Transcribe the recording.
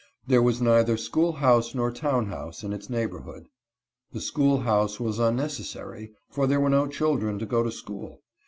There was neither school house nor town house in its neighborhood. The school house was unnecessary, for there were no children to go to school.